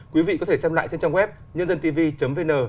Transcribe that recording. quý vị có thể xem lại trên trang web nhândântv vn